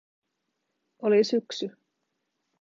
Oli syksy.